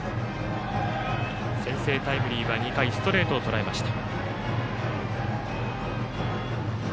先制タイムリーは２回ストレートをとらえました。